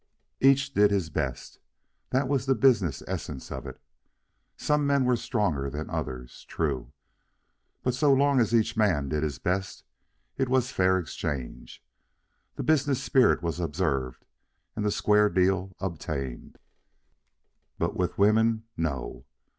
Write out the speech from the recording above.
Each did his best. That was the business essence of it. Some men were stronger than others true; but so long as each man did his best it was fair exchange, the business spirit was observed, and the square deal obtained. But with women no.